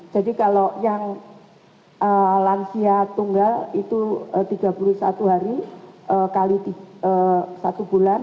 jadi kalau yang lansia tunggal itu rp tiga puluh satu kali satu bulan